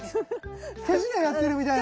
手品やってるみたいな。